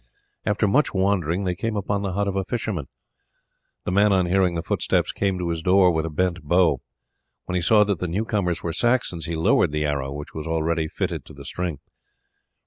After much wandering they came upon the hut of a fisherman. The man on hearing the footsteps came to his door with a bent bow. When he saw that the new comers were Saxons he lowered the arrow which was already fitted to the string.